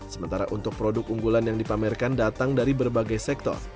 sementara untuk produk unggulan yang dipamerkan datang dari berbagai sektor